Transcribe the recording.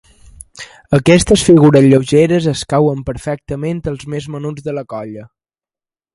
Aquestes figures lleugeres escauen perfectament als més menuts de la colla.